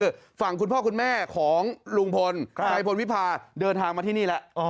คือฝั่งคุณพ่อคุณแม่ของลุงพลนายพลวิพาเดินทางมาที่นี่แล้ว